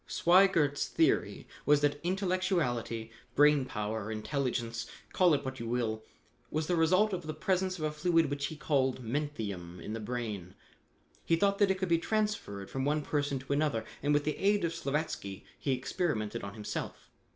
"Sweigert's theory was that intellectuality, brain power, intelligence, call it what you will, was the result of the presence of a fluid which he called 'menthium' in the brain. He thought that it could be transferred from one person to another, and with the aid of Slavatsky, he experimented on himself.